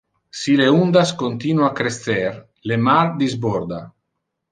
Si le undas continua crescer le mar disborda.